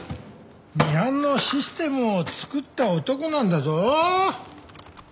ミハンのシステムを作った男なんだぞ。